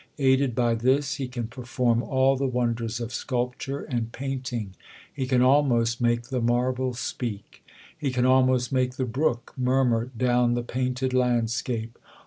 Aided by this, he can perform all the wonders of sculpture and painting. He can almost make the marble speak* He can almost make the brook murmur down the painted landscape.